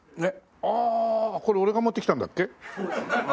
ああこれ俺が持ってきたんだっけ？